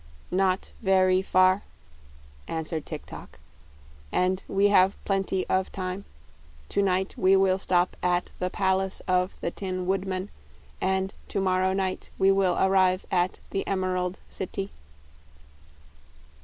"Not ve ry far," answered Tik tok, "and we have plen ty of time. To night we will stop at the pal ace of the Tin Wood man, and to mor row night we will ar rive at the Em er ald Ci ty."